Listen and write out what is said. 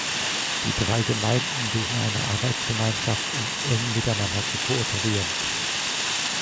Die drei Gemeinden bilden eine Arbeitsgemeinschaft, um eng miteinander zu kooperieren.